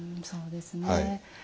そうですね。